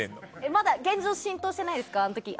まだ現状浸透してないんですか？